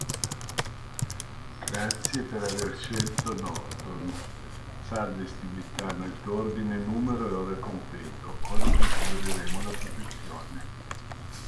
Will Smith ebbe diversi ruoli Bad Boys, Men in Black, Hancock.